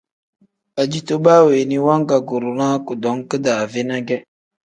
Ajito baa weeni wangaguurinaa kudom kidaave ne ge.